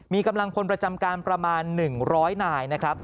มีกำลังพลประจำการประมาณ๑๐๐นายนะครับ